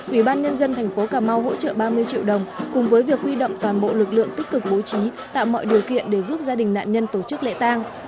ủy ban nhân dân thành phố cà mau hỗ trợ ba mươi triệu đồng cùng với việc huy động toàn bộ lực lượng tích cực bố trí tạo mọi điều kiện để giúp gia đình nạn nhân tổ chức lễ tang